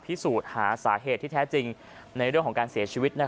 พิสูจน์หาสาเหตุที่แท้จริงในเรื่องของการเสียชีวิต